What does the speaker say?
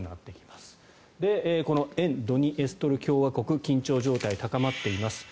そして沿ドニエストル共和国緊張状態が高まっています。